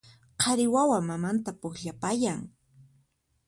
Qhari wawa mamanta pukllapayan